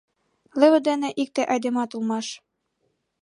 Лыве дене икте айдемат улмаш.